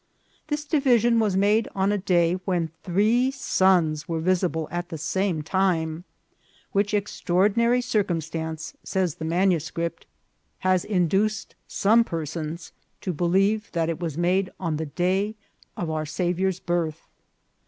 This division was made on a day when three suns were visible at the same time, which extra ordinary circumstance, says the manuscript, has induced some persons to believe that it was made on the day of our Saviour's birth.